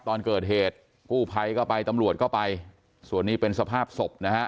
ตอนเกิดเหตุกู้ภัยก็ไปตำรวจก็ไปส่วนนี้เป็นสภาพศพนะฮะ